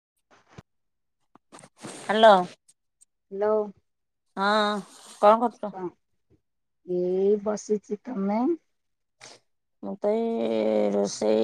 [inaudible] Hello. Hello. ହଁ। କଣ କରୁଛ? ଏଇ ବସିଛି। ତମେ? ମୁଁତ ଏଇ ରୋଷେଇ,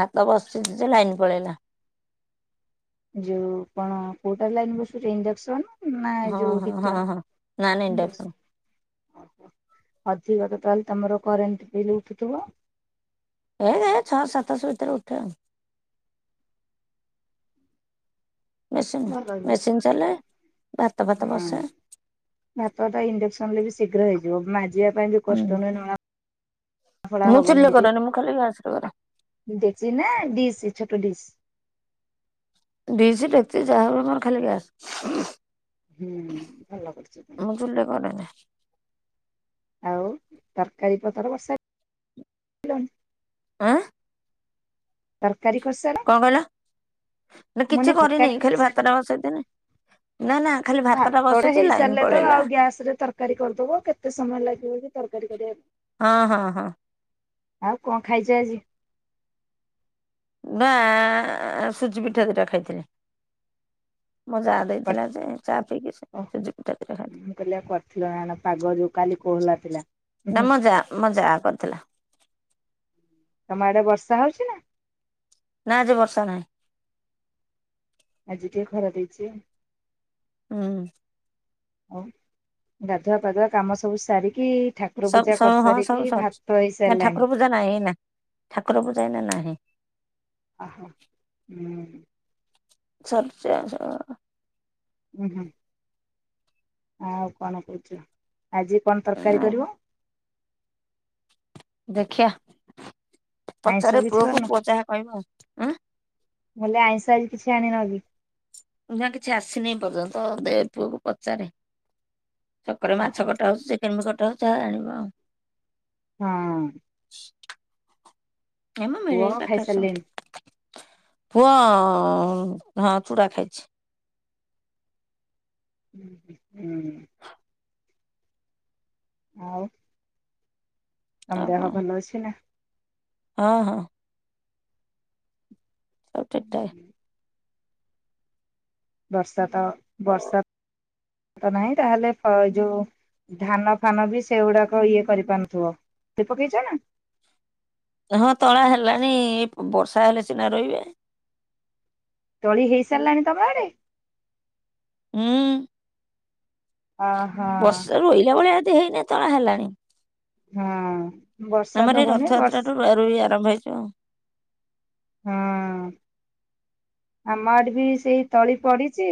ଭାତ ବସିଛି ଯେ ଲାଇନ୍ ପଳେଇଲା। ଯୋଉ କଣ, କୋଟର ଲାଇନ୍ ବସୁଛି ଇଣ୍ଡକ୍ସନ୍ ନା ଏଇ ହଁ ଯୋଉ ହଁ ହଁ ହଁ ନା ନାଇଁ ହିଟର। ଡାକୁନୁ ଓ ଅଧିକ ତ ତାହେଲେ ତମର କରେଣ୍ଟ ବିଲ୍ ଉଠୁଥିବ। ଏ ଏ ଛଅ ସାତଶହ ଭିତରେ ଉଠେ ଆଉ। ବେଶୀ ନୁହଁ ହଁ ମେସିନ୍ ଚାଲେ ଭାତ ଫାତ ବସେ। ଭାତ ଟା ଇଣ୍ଡକ୍ସନ ରେ ବି ଶୀଘ୍ର ହେଇଯିବ ମାଜିବା ପାଇଁ ବି ହୁଁ। କଷ୍ଟ ନୁହେଁ [unintelligible] ଫଳା ମୁଁ ଚୁଲି ରେ କରେନି ମୁଁ ଖାଲି ଗ୍ୟାସ୍ ରେ କରେ। ଡେଚି ନା ଡିସ୍ ଛୋଟ ଡିସ୍। ଡିସ ଡେଚି ଯାହା ହବ ଆମର ଖାଲି ଗ୍ୟାସ୍। ହୁଁ ଭଲ କରୁଛ ତମେ। ମୁଁ ଚୁଲିରେ କରେ। ଆଉ ତରକାରୀ ପତ୍ର ବସାଇ ଲନି? ଆଁ ତରକାରୀ କରି ସାର କଣ କହିଲ ନା କିଛି କରିନି ତରକାରୀ ଖାଲି କରିସାରିଲଣି? ଭାତଟା ବସେଇ ଥିଲି ନା ନା। ଖାଲି ଭାତଟା ବସିଛି ହେଇ ଲାଇନ ସାରିଲେ ତ ପଳେଇଲା ଆଉ ଗ୍ୟାସ ରେ ତରକ ତରକାରୀ କରିଦବୁ କେତେ ସମୟ ଲାଗିବ କି ତରକାରୀ କରିବାକୁ? ହଁ ହଁ ହଁ। ଆଉ କଣ ଖାଇଛ ଆଜି? ନା ସୁଜି ପିଠା ଦିଟା ଖାଇଥିଲି ମ ଯା ଦେଇଥିଲା ଯେ ଚା ପିଇକି ସେ ସୁଜି ପିଠା ଦି ଟା ମୁଁ କହିଲି ଆଉ କରିଥିଲ ନା କଣ ପାଗ ଯୋଉ କାଲି କୋହଲା ଥିଲା। ଉଁ ଖାଇଥିଲି। ହୁଁ ଆମ ଜା ମୋ ଜା କରିଥିଲା। ତମ ଆଡେ ବର୍ଷା ହଉଛି ନା? ନା ଆଜି ବର୍ଷା ନାହିଁ। ଆଜିି ଟିକେ ଖରା ଦେଇଚି। ହୁଁ। ଆଉ ଗାଧୁଆ ପାଦୁଆ କାମ ସବୁ ସାରିକି ଠାକ୍ କୁର ସବୁ ପୂଜା କରିସାରିକି, ଭାତ ହେଇସାରିଲାଣି। ଜା ନାହିଁ ନା, ଠାକୁର ପୂଜା ଏଇନା ନାହିଁ। ଅହୋ ହୁଁ। [unintelligible] ଉଁ ହୁଁ। ଆଉ କଣ କହୁଥିଲ, ଆଜି କଣ ତରକାରୀ ସବୁ କରିବ? ଦେଖିଆ ଆଇଁଷ ପଚାରେ କିଛି ପୁଅକୁ କରିନ, ପୁଅ ଯାହା କହିବ ଆଉ ମୁଁ କଲି ଆଇଁଷ ଆଜି କିଛି ଆଣ ନକି? ଉଛା କିଛି ଆସିନି ଏ ପର୍ଯ୍ୟନ୍ତ ଦେ ପୁଅକୁ ପଚାରେ। ଛକରେ ଓହୋ ମାଛ କଟା ହଉଛି, ଚିକେନ ବି କଟା ହଉଛି, ଯହା ଆଣିବ ଆଉ। ହଁ। ଏମ ପୁଅ ମିଳେଇ ପାଖରେ ସ ଖାଇସାରିଲେଣି। ପୁଅ ହଁ ପୁରା ଖାଇଛି। [inaudible] ଆଉ ତମ ଆଉ ଦେହ କଣ ଭଲ ଅଛି ନା? ହଁ ହଁ। ସବୁ ଠିକ ଠାକ୍। ବର୍ଷା ତ ବର୍ଷା ତ ନାହିଁ ତାହେଲେ ଏ ଯୋଉ ଧାନ ଫାନ ବି ସେଗୁଡାକ ଇଏ କରିପାରୁନଥିବ [unintelligible] ସେ ପକେଇଛ ନା? ହଁ ତଳା ହେଲାଣି ବର୍ଷା ହେଲେ ସିନା ରୋଇବେ। ତଳି ହେଇସାରିଲାଣି ତମ ଆଡ଼େ। ଉଁ ଓହୋ। ବର୍ଷା ରୁ ରୋଇଲା ଭଳିଆ ଏଦି ହେଇନି ତଳା ହେଲାଣି। ହଁ ବର୍ଷା ତ ଆମର ଏଇ ହଉନି ବର୍ଷ ରଥଯାତ୍ରାଟୁ ରୁଆ ରୁଇ ଆରମ୍ଭ ହେଇଜିବ। ହୁଁ ଆମ ଆଡ଼େ ବି ସେଇ ତଳି ପଡିଚି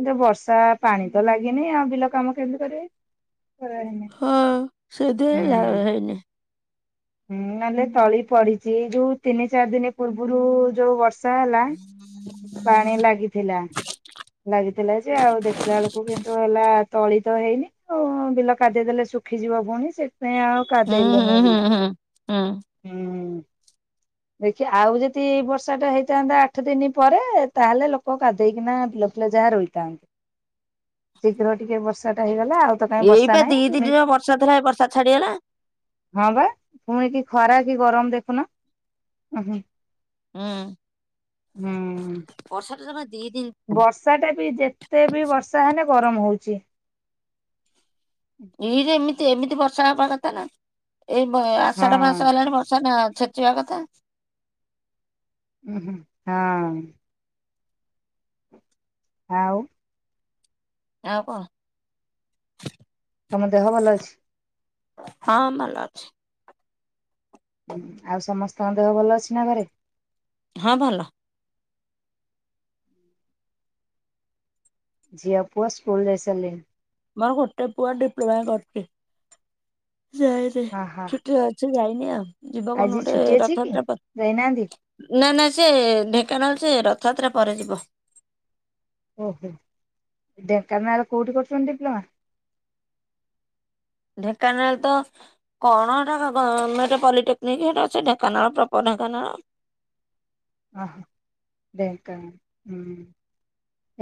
କିନ୍ତୁ ବର୍ଷା ପାଣି ତ ଲାଗିନି ଆଉ ବିଲ କାମ କେମିତି କରିବେ। କରାହେଇନି। ହଁ ସେଇଥି ପାଇଁ ହୁଁ ହେଲା ହେଇନି। ହୁଁ ମାନେ ତଳି ପଡ଼ିଚି ଏଇ ଯୋଉ ତିନି ଚାରି ଦିନ ପୂର୍ବରୁ ଯୋଉ ବର୍ଷ୍ ଷା ହେଲା ପାଣି ଲାଗିଥିଲା। ଲାଗିଥିଲା ଯେ ଆଉ ଦେଖିଲା ବେଳକୁ କିନ୍ତୁ ହେଲା ତଳି ତ ହେଇନି। ଓଁ, ବିଲ କାଦେଇ ଦେଲେ ଶୁଖିଯିବ ପୁଣି ସେଥିପାଇଁ ଆଉ ହୁଁ ହୁଁ କାଦେଇଲେନି ହୁଁ ବିଲ। ହୁଁ ହୁଁ। ହୁଁ। ଦେଖିଆ ଆଉ ଯଦି ବର୍ଷା ଟା ହେଇଥାନ୍ତା ଆଠ ଦିନି ପରେ ତାହେଲେ ଲୋକ କାଦେଇକିନା ବିଲ ଫିଲ ଯାହା ରୋଇଥାନ୍ତେ ଶୀଘ୍ର ଟିକେ ବର୍ଷା ଟା ହେଇଗଲା ଆଉ। ତ କାଇଁ ବର୍ଷା ଏଇପା ନାହିଁ ଦି ପୁଣି ଦିନର ବର୍ଷା ଧରା ଏ ବର୍ଷା ଛାଡ଼ିଗଲା। ହଁ ବା, ପୁଣି କି ଖରା କି ଗରମ ଦେଖୁନ ଉଁ ହୁଁ। ହୁଁ, ହୁଁ। ବର୍ଷା ଟା ଜମା ଦି ଦିନ୍‌ ବର୍ଷା ଟା ବି, ଯେତେ ବି ବର୍ଷା ହେଲେ ଗରମ ହଉଛି। ଏଇ ଯେମିତି ଏମିତି ବର୍ଷା ହବା କଥା ନା, ଏଇ ବ ଆଷାଢ଼ ହଁ। ମାସ ହେଲାଣି ବର୍ଷା ନା ଛେ ଚିବା କଥା। ଉ ହୁଁ, ହଁ। ଆଉ? ଆଉ କଣ? ତମ ଦେହ ଭଲ ଅଛି? ହଁ ଭଲ ଅଛି। ଉଁ ଆଉ ସମସ୍ତଙ୍କ ଦେହ ଭଲ ଅଛି ନା ଘରେ? ହଁ ଭଲ। ଝିଅ ପୁଅ ସ୍କୁଲ ଯାଇସାରିଲେଣି? ମୋର ଗୋଟେ ପୁଅ ଡିପ୍ଲମା କରୁଛି ଯାଇନି ହଁ ହଁ ଛୁଟି ରେ ଅ ଛି ଯାଇନି ଆଉ ଯିବା କୋଉଦିନ ଆଜି ଗୋଟେ ଛୁଟି ଅଛି କି? ରଥଯାତ୍ରା ପ ଯାଇନାହାନ୍ତି ନା ନା ସେ ଢେଙ୍କାନାଳ ସେ ରଥଯାତ୍ରା ପରେ ଯିବ। ଓହୋ ଢେଙ୍କାନାଳ କୋଉଠି କରୁଛନ୍ତି ଡିପ୍ଲୋମା? ଢେଙ୍କାନାଳ ତ କଣ ହେଟା ଗ-ଗମେଣ୍ଟେ ପଲିଟେକ୍ନିକ୍ ହେଟା ଅଛି ଢେଙ୍କାନାଳ ପ୍ରପର ଢେଙ୍କାନାଳ। ଓ ହୋ ଢେଙ୍କାନାଳ ହୁଁ।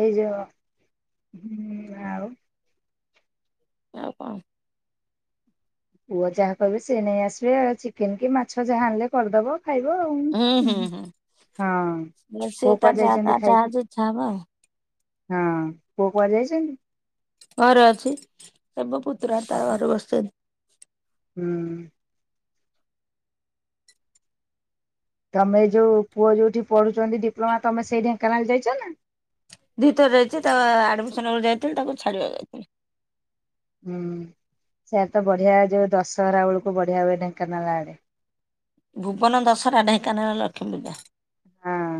ଏଇ ଯୋଉ ହୁଁ ଆଉ? ଆଉ କଣ? ପୁଅ ଯାହା କହିବେ ସେ ନେଇ ଆସିବେ ଚିକେନ୍ କି ମାଛ ଯାହା ଆଣିଲେ କରିଦବ। ହଁ ହୁଁ ହୁଁ ହୁଁ। ସେ ପୁଅ ତା କୁଆଡ଼େ ଯା ତା ଯାଇଛନ୍ତି ଯାହା ଖାଇକି? ଯେ ଇଚ୍ଛା ହବ ଆଉ ହଁ ପୁଅ କୁଆଡ଼େ ଯାଇଛନ୍ତି? ଘରେ ଅଛି ଏ ମୋ ପୁତୁରାର ତାର ଓହୋ ଘରେ ବସିଛନ୍ତି। ହୁଁ। ତମେ ଏ ଯୋଉ ପୁଅ ଯୋଉଠି ପଢ଼ୁଛନ୍ତି ଡିପ୍ଲୋମା ତମେ ସେଇ ଢେଙ୍କାନାଳ ଯାଇଛ ନା? ଦି ଥର ଯାଇଛି ତା ଆଡମିସନ ବେଳକୁ ଯାଇଥିଲି ତାକୁ ଛାଡ଼ିବାକୁ ଯାଇଥିଲି। ହୁଁ ସେଆଡ଼େ ତ ବଢ଼ିଆ ଯୋଉ ଦଶହରା ବେଳକୁ ବଢ଼ିଆ ହୁଏ ଢେଙ୍କାନାଳ ଆଡ଼େ। ଭୁବନ ଦଶହରା ଢେଙ୍କାନାଳ ଲକ୍ଷ୍ମୀ ପୂଜା। ହଁ।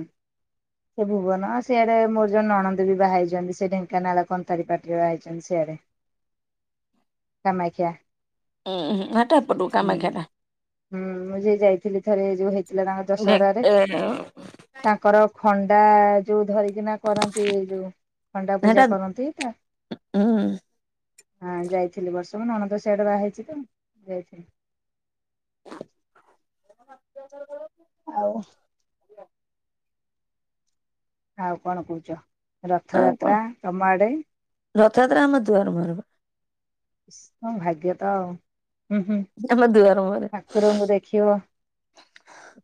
ସେ ଭୁବନ ସେଆଡ଼େ ମୋର ଜଣେ ନଣନ୍ଦ ବି ବାହା ହେଇଛନ୍ତି ସେ ଢେଙ୍କାନାଳ କନ୍ତା ମରୀପାଟିରେ ବାହା ହେଇଛନ୍ତି ସିଆଡ଼େ। କାମାକ୍ଷା। ଉଁ ହୁଁ। [unintelligible] ହୁଁ କାମାକ୍ଷାଟା। ହୁଁ ମୁଁ ଯେ ଯାଇଥିଲି ଥରେ ଏ ଯୋଉ ହେଇ ଥିଲା ତାଙ୍କ ଢେ ଦଶହରାରେ ଏ ତାଙ୍କର ଖଣ୍ଡା ଯୋଉ ଧରିକିନା କରନ୍ତି ଏଇ ଯୋଉ ଖଣ୍ଡା ହେଟା ପୂଜା କରନ୍ତି ତା ହୁଁ ହଁ ଯାଇଥିଲି ଏବର୍ଷ ମୋନଣନ୍ଦ ସିଆଡ଼େ ବାହା ହେଇଚିତ। ଯାଇଥିଲି। [unintelligible] ଆଉ। ଆଉ କଣ କହୁଛ ଆଉ କଣ ରଥଯାତ୍ରା ତମ ଆଡ଼େ? ରଥଯାତ୍ରା ଆମ ଦୁଆର ମୁହଁରେପା। ଇସ୍ ତମ ଭାଗ୍ୟତ ଆଉ ହୁଁ ହୁଁ। ଆମ ଦୁଆର ମୁହଁରେ। ଠାକୁରଙ୍କୁ ଦେଖିବ।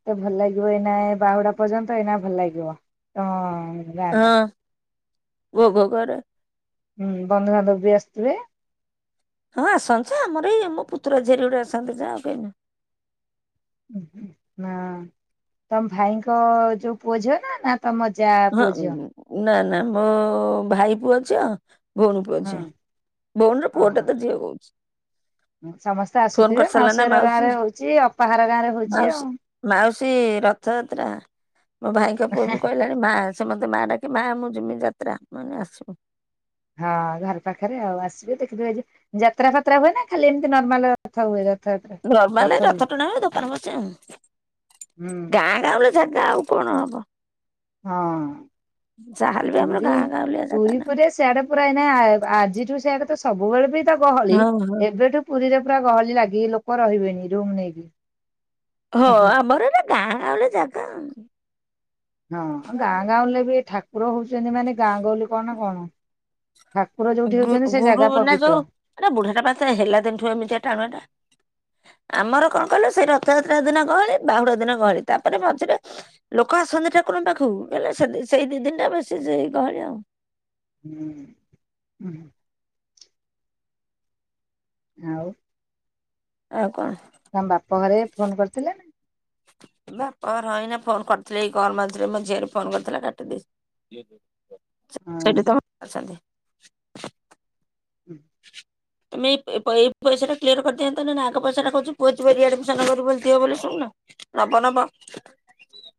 ତ ଭଲ ଲାଗିବ ଏଇନା ବାହୁଡ଼ା ପର୍ଯ୍ୟନ୍ତ ଏଇନା ଭଲ ଲାଗିବ ତମ ଗାଁଟା ହଁ ଭୋଗ କରେ। ବନ୍ଧୁବାନ୍ଧବବି ଆସିଥିବେ? ହଁ ଆସନ୍ତି ଆମର ଏଇ ମୋ ପୁତୁରା ଝିଆରୀ ଗୁରେ ଅସନ୍ତି ଯାହା ଆଉ କେହି ନାହେଁ। ଉଁ ହୁଁ ହଁ ତମ ଭାଇଙ୍କ ଯୋଉ ପୁଅ ଝିଅନା ନା ତମ ଯା ହଁ ପୁଅ ଝିଅ? ନା ନା ମୋ ଭାଇ ପୁଅ ଝିଅ ଭଉଣୀ ପୁଅ ହଁ ଝିଅ ଭଉଣୀର ଓହୋ ପୁଅଟେତ ଝିଅ କହୁଚି। ସମସ୍ତେ ଆସୁଥିବେ ମାଉସୀ ଘର ଗାଁରେ ହଉଚି ଅପା ଘର ଗାଁରେ ହଉଚି ମାଉସୀ ଆଉ। ମାଉସୀ ରଥଯାତ୍ରା ମୋ ଭାଇଙ୍କ ପୁଅବି କହିଲା ମାଁ ସେମତେ ମାଁଡାକେ ମାଁ ମୁଜିମି ଯାତ୍ରା ମୁକହିଲି ଆସିବୁ। ହଁ ଘର ପାଖରେ ଆଉ ଆସିବେ ଦେଖି ଦୁଖାକି ଯାତ୍ରା ଫାତ୍ରା ହୁଏନା ଖାଲି ଏମତି ନର୍ମାଲ ଥ ହୁଏ ରଥଯାତ୍ରା ନର୍ମାଲ ରଥ ଟଣାହୁଏ ଦୋକାନ ବସେ ଆଉ ହୁଁ ଗାଁ [unintelligible] ଆଉ କଣ ହବ। ହଁ ଯାହାହେଲେ ବି ଆମର ପୁରୀ ଗାଁ ଗାଉଁଲିଆ ଜାଗା ପୁରୀ ନା। ପୁରା ସେଆଡ଼େ ପୁରା ଏଇନା ଆ ଆଜିଠୁ ସେଆଡ଼େତ ସବୁବେଳେବିତ ଗହଳି ହଁ ହଁ। ଏବେଠୁ ପୁରୀରେ ପୁରା ଗହଳି ଲାଗିିକି ଲୋକ ରହିବେଣି ରୁମ୍ ନେଇକି। ହଁ ଆମର ଏରା ଗାଁଗଳି ଜାଗା। ହଁ ଆଉ ଗାଁଗାଉଲିବି ଠାକୁର ହଉଛନ୍ତି ମାନେ ଗାଁଗହଳି କଣ କଣ। ଠାକୁର ଯୋଉଠି ଗୁ ହଉଛନ୍ତି ଗୁରୁ ସେଜାଗା ନା ଯୋଉ ପବିତ୍ର। ଏଟା ବୁଢ଼ା ଟାପା ତାହେଲା ଦିନଠୁ ଏମିତିଆ ଟାଣୁଆଟା। ଆମର କଣ କହିଲ ସେଇ ରଥଯାତ୍ରା ଦିନ ଗହଳି ବାହୁଡ଼ା ଦିନ ଗହଳି ତାପରେ ମଝିରେ ଲୋକ ଆସନ୍ତି ଠାକୁରଙ୍କ ପାଖକୁ ହେଲେ ସେ ସେଇ ଦିଦିନଟା ବେଶୀ ସେଇ ଗହଳି ଆଉ। ହୁଁ ହୁଁ। ଆଉ। ଆଉ କଣ? ତମ ବାପ ଘରେ ଫୋନ୍ କରିଥିଲେନା? ବାପ ଘର ହଇନା ଫୋନ୍ କରିଥିଲେ ଏଇ ଗରମାରେ ମୋ ଝିଅରେ ଫୋନ୍ କରିଥିଲା କାଟି ଦେଇଚି। ସେଠି [unintelligible] ହଁ। ତମ ଅଛନ୍ତି। ହୁଁ। ତମେ ଏ ପ ଏଇ ଏଇ ଏଇସା ଟା କ୍ଲିୟର କରିଦିଅନ୍ତନିନା ଆଗ ପଇସାଟା କୋଉଠି ପୁଅ ଜିବ ରିଆଡ଼ମିଶନ କରିବ ବୋଲି ଦିିଅ ବୋଲି ଶୁଣୁନ। ଲାବ ନବ [inaudible]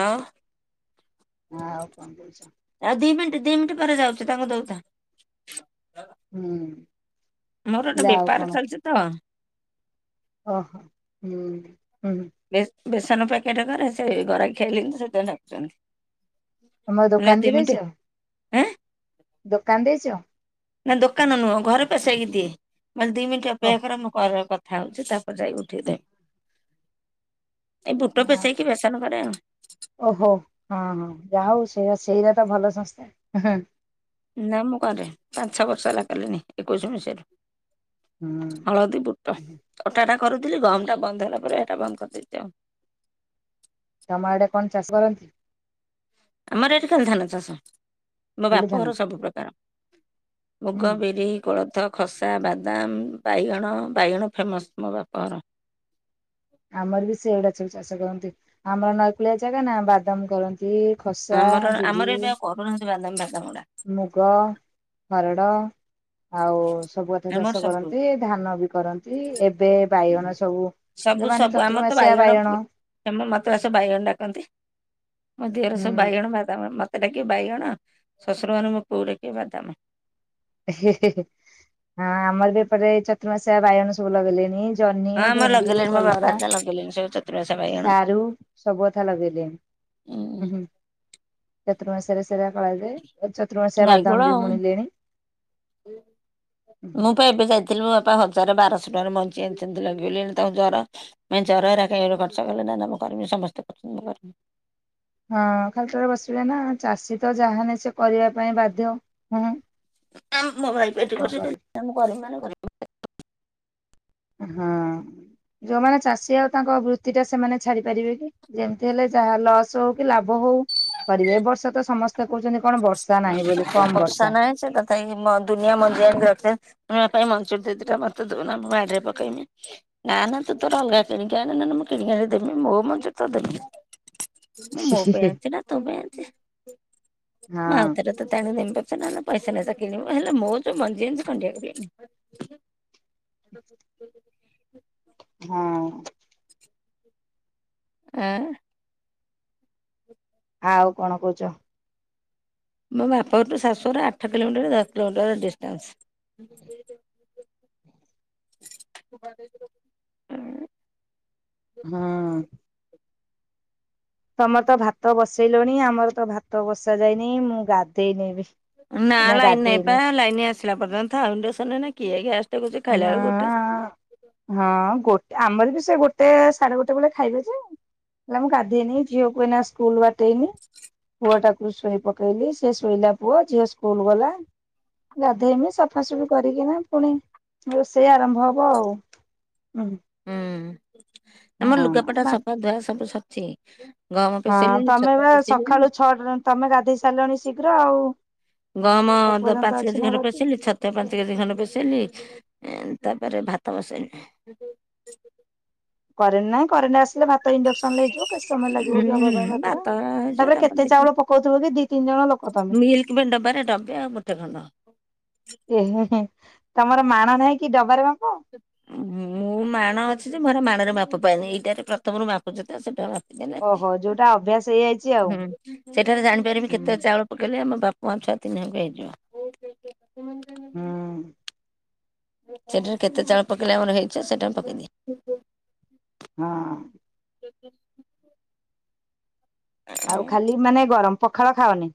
ଆଉ? ଆଉ କଣ ଦେଇଚ? ଆଉ ଦି ମିନିଟ୍ ଦି ମିନିଟ୍ ପରେ ଯାଉଚି ତାଙ୍କୁ ଦଉଥା। ହୁଁ। ମୋର ଗୋଟେ ହେଲେ ଆଉ କଣ ବେପାର ଚାଲିଚିତ। ଓହୋ ହୁଁ ହୁଁ। ବେସ୍ ବେସନ ପ୍ୟାକେଟ କରେ ସେଗରାଖି ଆଇଲେଣିତ ସେଇଥିପାଇଁ ତମର ଡାକୁଚନ୍ତି। [unintelligible] ଦୋକାନ ବି ଦି ଦେଇଛ ମିନିଟି ଏଁ। ଦୋକାନ ଦେଇଛ? ନା ଦୋକାନ ନୁହଁ ଘରେ ପେସେଇକି ଦିଏ ମାନେ ଦି ମିନିଟ ଓହ। ଅପେକ୍ଷା କର ମୁଁ କରେ କଥ ଥା ହଉଛି ତାପରେ ଯାଇ ଉଠେଇ ଦଉ ଏଇ ବୁଟ ପେସେଇକି ବେସନ କରେ ଆଉ ଓହୋ ହଁ ହଁ ଯା ହଉ ସେ ପେସେଇବାଟା ତ ଭଲ ସଂସ୍ଥା। ନା ମୁଁ କରେ ପାଞ୍ଚ ଛଅ ବର୍ଷ ହେଲା କଲିଣିି ଏକୋଇଶି ମସିହାରୁ ହୁଁ। ହଳଦୀ, ବୁଟ ଅଟାଟା କରୁଥିଲି ଗହମଟା ବନ୍ଦ ହେଲା ପରେ ହେଇଟା ବନ୍ଦ କରିଦେଇଛି ଆଉ। ତମ ଆଡେ କଣ ଚାଷ କରନ୍ତି? ଆମର ଏଠି ଖାଲି ଧାନ ଚାଷ ମୋ ଖାଲି ବାପଘର ଧାନ? ସବୁ ପ୍ରକାର ମୁଗ, ହୁଁ ବିରି, କୋଳଥ ଖସା, ବାଦାମ, ବାଇଗଣ, ବାଇଗଣ ଫେମସ୍ ମୋ ବାପଘର। ଆମର ବି ସେଇଗୁଡା ସବୁ ଚାଷ କରନ୍ତି ଆମର ନଈକୂଳିଆ ଜାଗା ନା ବାଦାମ କରନ୍ତି। [unintelligible] ଖସା, ଆମର ଆମର ବିରି [unintelligible] ବାଦାମ, ବାଦାମ ଗୁଡା। ମୁଗ, ହରଡ଼ ଆଉ ସବୁ କଥା ଆମର ଚାଷ ସବୁ କରନ୍ତି ଧାନ ବି କରନ୍ତି ଏବେ ବାଇଗଣ ସବୁ ଯୋଉମାନେ ଚତୁର୍ମାଶିଆ ବାଇଗଣ ଏ ମା ମତେ ବା ସବୁ ବାଇଗଣ ଡାକନ୍ତି, ମୋ ଦିହର ଉଁ ସବୁ ବାଇଗଣ ବାଦାମ ମତ ତେ ଡାକିବେ ବାଇଗଣ, ଶ୍ୱଶୁର ମାନେ ମୋ ପୁଅ କୁ ଡାକିବେ ବାଦାମ। ହଁ ଆମର ବି ଏପଟେ ଚତୁର୍ମାସିଆ ବାଇଗଣ ସବୁ ଲଗେଇଲେଣି ଜହ୍ନି, ହଁ ଆମର ଭେଣ୍ଡି, ଲଗେଇଲେଣି ମୋ ବାପା କଲରା, ହେରିକା ଲଗେଇଲେଣି ସବୁ ଚତୁରମାସିଆ ବାଇଗଣ ସାରୁ ସବୁ କଥା ଲଗେଇଲେଣି। ଉଁ ହୁଁ ହୁଁ। ଚତୁର୍ମାସରେ ସେରା କରାଯାଏ ଚତୁର୍ମାସରେ ନଈକୂଳ ବାଦାମ ବି ଆଉ। ବୁଣିଲେଣି। ମୁଁ ପା ଏବେ ଯାଇଥିଲି ମୋ ବାପା ହ ଜାରେ ବାରଶହ ଟଙ୍କାର ମଞ୍ଜି ଆଣିଚନ୍ତି ଲଗେଇଲେଣି ତାଙ୍କୁ ଜର ନାଇଁ ଜର ହେରାକେ [unintelligible] ନା ନା ମୁଁ କରମି ସମସ୍ତେ କରୁଛନ୍ତି ମୁଁ କରମି। ହଁ ଖାଲିଟାରେ ବସିବେ ନା ଚାଷୀ ତ ଯାହା ହେନେ ସେ କରିବା ପାଇଁ ବାଧ୍ୟ ହୁଁ। ଆ ମୋ ଭାଇ ପାଟି କରିବେ [unintelligible] ମୁଁ କରିମି ମାନେ କରିମି। ହଁ ଯୋଉମାନେ ଚାଷୀ ଆଉ ତାଙ୍କ ବୃତ୍ତିଟା ସେମାନେ ଛାଡି ପାରିବେ କି? ଯେମତି ହେଲେ ଯାହା ଲସ୍ ହଉ କି ଲାଭ ହଉ କରିବେ ଏ ବର୍ଷ ତ ସମସ୍ ସ୍ତେ କହୁଛନ୍ତି କଣ ବର୍ଷା ନାହିଁ ବୋଲି କମ ବର୍ଷା କାଇଁକି ମ ଦୁନିଆ ମଞ୍ଜି ଆଣିକି ରଖେ ମୋ ବାପା ବି ମଞ୍ଜି ଦି ଦିଟା ମତେ ଦଉନ ମୁଁ ବାଡିରେ ପକେଇମି। ନାଁ ନାଁ ତୁ ତୋର ଅଲଗା କିଣିକି ଆଣେ ନା ନା ମୁଁ କିଣିକି ଆଣିକି ଦେବିନି ମୋ ମଞ୍ଜି ତୋତେ ଦେବିନି। ମୁଁ ହି ମୋ ହି ପାଇଁ ହି ଆଣିଛି ନା ତୋ ପାଇଁ ଆଣିଚି? ମୁଁ ଆଉ ହଁ ଥରେ ତୋତେ ଆଣିକି ଦେମି ପଛେ ନା ନା ପଇସା ନୁହେଁ ତୁ କିଣିବୁ ହେଲେ ମୋର ଯୋଉ ମଞ୍ଜି ଆଣିଚି ଖଣ୍ତିଏ [unintelligible] ହ ହଁ। ଆଁ। ଆଉ କଣ କହୁଛ? ମୋ ବାପ ଘରଠୁ ଶାଶୁର ଆଠ କିଲୋମିଟର ଦଶ କିଲୋମିଟରର ଡିଷ୍ଟାନ୍ସ ହୁଁ। ହଁ। ତମର ତ ଭାତ ବସେଇଲଣି ଆମର ତ ଭାତ ବସା ଯାଇନି ମୁଁ ଗାଧେଇ ନାଇଁ ବି। ନା ଲାଇନ ନାଇଁ ବା ଲାଇନି ଆସିଲା ପର୍ଯ୍ୟନ୍ତ ଥା ଆଉ ଇଣ୍ଡକ୍ସନ୍ ରେ ଏଇନା କିଏ ଗ୍ୟାସ୍ ହଁ ଆଉ। ହଁ ଗୋଟେ ଆମର ବି ସେ ଗୋଟେ ସାଡେ ଗୋଟେ ବେଳେ ଖାଇବେ ଯେ ନା ମୁଁ ଗାଧେଇନି ଆଉ ଝିଅକୁ ଏଇନା ସ୍କୁଲ ପଥେଇନି। ପୁଅଟା କୁ ଶୋଇ ପକେଇଲି ସିଏ ଶୋଇଲା ପୁଅ ଝିଅ ସ୍କୁଲ ଗଲା ଗାଧେଇମି ସଫାସଫି କରିକିନା ପୁଣି ରୋଷେଇ ଆରମ୍ଭ ହବ ଆଉ। ହୁଁ। ଆମର ଲୁଗାପଟା ମା ସଫା ଧୁଆ ସବୁ ସରଚି। ହଁ ତମେ ବା ସକାଳୁ ଛଅଟ ତମେ ଗାଧେଇ ସାରିଲଣି ଶୀଘ୍ର ଆଉ। ଗହମ ଦ ଏପର୍ଯ୍ୟନ୍ତ ପାଞ୍ଚ ଅଛି କେଜି ନା [unintelligible] ବାକି। ପେଶିଲି ଛତ ପାଞ୍ଚ କେଜି ଖଣ୍ଡେ ପେସେଇଲି ଏଁ ତାପରେ ଭାତ ବସେଇଲି। କରେନ ନାଇଁ କରେଣ୍ଟ ଆସିଲେ ଭାତ ଇଣ୍ଡକ୍ସନରେ ହେଇଯିବ। କେତ୍ ସମୟ ଲାଗିବ କି ହବା ହୁଁ ପାଇଁ ଭାତ ଟା ହେଇଯିବ ତାପରେ କେତେ ଦେଖିବା ଚାଉଳ ପକଉଥିବ କି ଦି ତିନି ଜଣ ଲୋକ ତମେ ମିଲ୍କ ମେଡ ଡବାରେ ଡବେ ଆଉ ମୁଠେ ଖଣ୍ଡ। [unintelligible] ତମର ମାଣ ନାହିଁ କି ଡବାରେ ମାପ? ମୁଁ ମାଣ ଅଛି ଯେ ମୁଁ ହେରା ମାଣରେ ମାପ ପାଏନି ଏଇଟାରେ ପ୍ରଥମରୁ ମାପୁଚୁ ତ ସେଟା ମା ଓହୋ ଯୋଉଟା ଅଭ୍ୟାସ ହେଇଯାଇଛି ଆଉ। [unintelligible] ସେଟାରେ ଜାଣିପାରିବି ହୁଁ କେତେ ଚାଉଳ ପକେଇଲେ ଆମ ବାପା ମା ଛୁଆ ତିନିହାକୁ ହେଇଯିବ। ହୁଁ ସେଟାରେ କେତେ ଚାଉଳ ପକେଇଲେ ଆମର ହେଇଯାଏ ସେଟା ମୁଁ ପକେଇଦିଏ। ହଁ [inaudible] ଆଉ ଖାଲି ମାନେ ଗରମ ପଖାଳ ଖାଅନି